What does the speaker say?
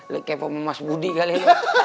lo kepo sama mas budi kali ya